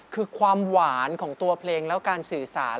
คือความหวานของตัวเพลงแล้วการสื่อสาร